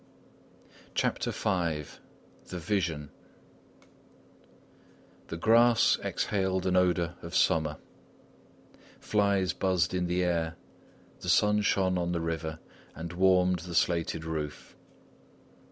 CHAPTER V THE VISION The grass exhaled an odour of summer; flies buzzed in the air, the sun shone on the river and warmed the slated roof.